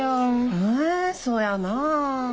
えそやなあ。